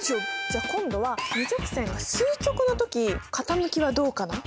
じゃあ今度は２直線が垂直な時傾きはどうかな？